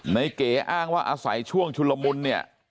เก๋อ้างว่าอาศัยช่วงชุลมุนเนี่ย